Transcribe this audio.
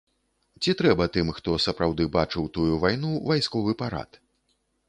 Ці трэба тым, хто сапраўды бачыў тую вайну, вайсковы парад?